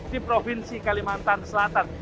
di provinsi kalimantan selatan